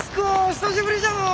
久しぶりじゃのう。